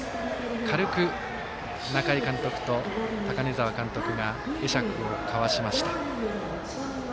軽く仲井監督と高根澤監督が会釈を交わしました。